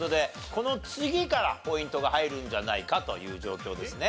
この次からポイントが入るんじゃないかという状況ですね。